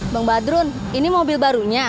bang badrun ini mobil barunya